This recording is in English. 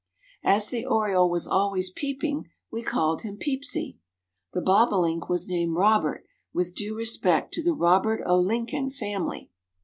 As the oriole was always peeping we called him "Peepsy;" the bobolink was named "Robert" with due respect to the Robert o Lincoln family.